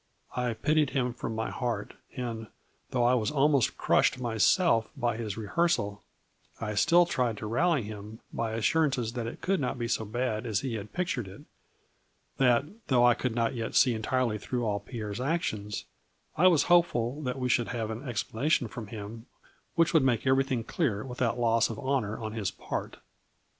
I pitied him from my heart, and, though I was almost crushed myself by his rehearsal, I still tried to rally him by assurances that it could not be so bad as he had pictured it ; that, though I could not yet see entirely through all Pierre's actions, I was hopeful that we should have an explana tion from him which would make everything clear without loss of honor on his part.